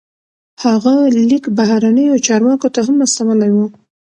هغه لیک بهرنیو چارواکو ته هم استولی و.